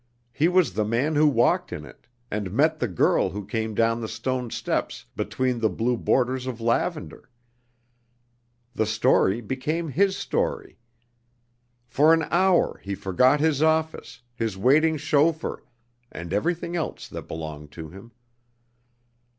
He was the man who walked in it, and met the girl who came down the stone steps between the blue borders of lavender. The story became his story. For an hour he forgot his office, his waiting chauffeur, and everything else that belonged to him.